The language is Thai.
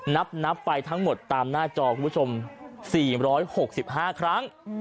นับไปทั้งหมดตามหน้าจอคุณผู้ชม๔๖๕ครั้ง